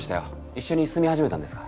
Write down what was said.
一緒に住み始めたんですか？